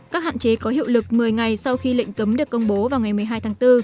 các hạn chế có hiệu lực một mươi ngày sau khi lệnh cấm được công bố vào ngày một mươi hai tháng bốn